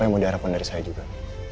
apa yang mau diharapkan dari saya juga